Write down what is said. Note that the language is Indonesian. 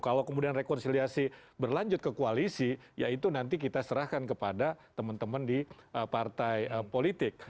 kalau kemudian rekonsiliasi berlanjut ke koalisi ya itu nanti kita serahkan kepada teman teman di partai politik